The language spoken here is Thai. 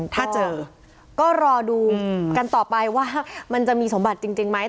ถ้าเจอก็รอดูกันต่อไปว่ามันจะมีสมบัติจริงไหม